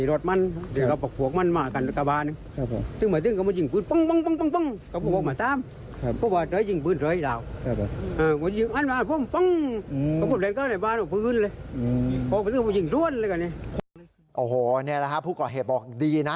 โอ้โหนี่แหละครับผู้ก่อเหตุบอกดีนะ